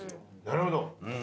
なるほど。